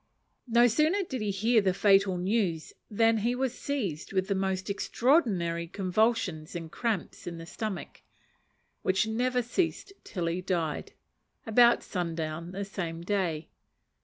No sooner did he hear the fatal news than he was seized with the most extraordinary convulsions and cramps in the stomach, which never ceased till he died, about sundown the same day.